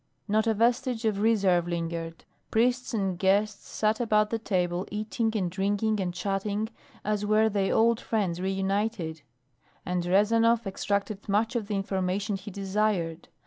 Not a vestige of reserve lingered. Priests and guests sat about the table eating and drinking and chatting as were they old friends reunited, and Rezanov extracted much of the information he desired.